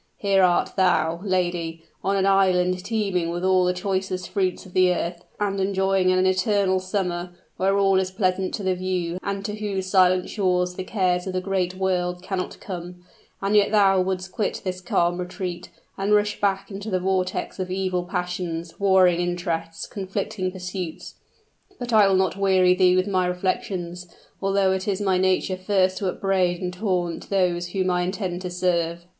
Here art thou, lady, on an island teeming with all the choicest fruits of the earth, and enjoying an eternal summer, where all is pleasant to the view, and to whose silent shores the cares of the great world cannot come; and yet thou wouldst quit this calm retreat, and rush back into the vortex of evil passions, warring interests, conflicting pursuits! But I will not weary thee with my reflections; although it is my nature first to upbraid and taunt those whom I intend to serve!"